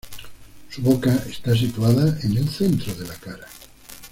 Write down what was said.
Su boca está situada en el centro de la cara.